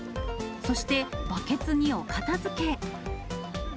そして、バケツにお片づけ。